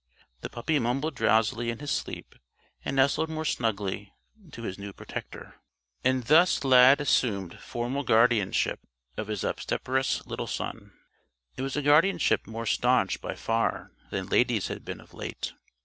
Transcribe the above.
The puppy mumbled drowsily in his sleep and nestled more snugly to his new protector. And thus Lad assumed formal guardianship of his obstreperous little son. It was a guardianship more staunch by far than Lady's had been of late.